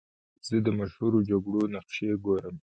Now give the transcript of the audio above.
زه د مشهورو جګړو نقشې ګورم.